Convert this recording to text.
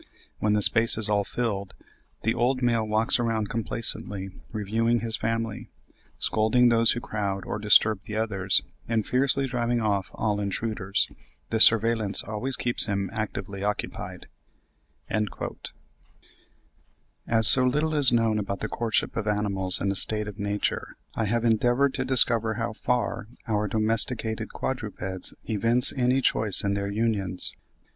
When the space is all filled, the old male walks around complacently reviewing his family, scolding those who crowd or disturb the others, and fiercely driving off all intruders. This surveillance always keeps him actively occupied." As so little is known about the courtship of animals in a state of nature, I have endeavoured to discover how far our domesticated quadrupeds evince any choice in their unions.